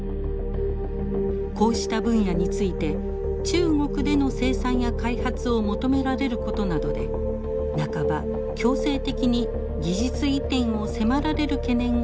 こうした分野について中国での生産や開発を求められることなどで半ば強制的に技術移転を迫られる懸念が高まっています。